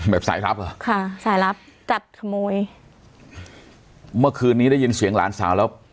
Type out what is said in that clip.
สายลับเหรอค่ะสายลับจับขโมยเมื่อคืนนี้ได้ยินเสียงหลานสาวแล้ว